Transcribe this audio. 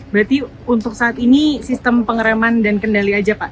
berarti untuk saat ini sistem pengereman dan kendali aja pak